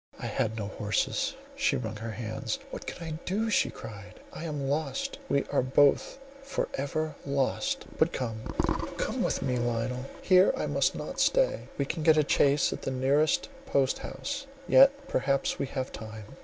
I had no horses—she wrung her hands. "What can I do?" she cried, "I am lost—we are both for ever lost! But come—come with me, Lionel; here I must not stay,—we can get a chaise at the nearest post house; yet perhaps we have time!